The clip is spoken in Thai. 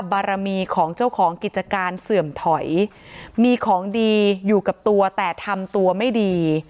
บารมีของเจ้าของกิจการเสื่อมถอยมีของดีอยู่กับตัวแต่ทำตัวไม่ดี